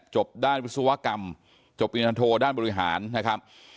จบด้านวิศวกรรมจบปริญทางโทด้านบริหารนะครับ